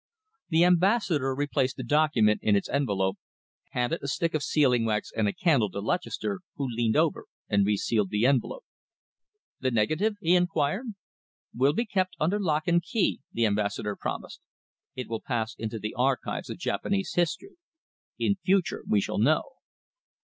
The Ambassador replaced the document in its envelope, handed a stick of sealing wax and a candle to Lutchester, who leaned over and resealed the envelope. "The negative?" he enquired. "Will be kept under lock and key," the Ambassador promised. "It will pass into the archives of Japanese history. In future we shall know."